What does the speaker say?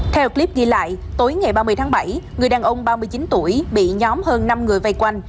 theo clip ghi lại tối ngày ba mươi tháng bảy người đàn ông ba mươi chín tuổi bị nhóm hơn năm người vây quanh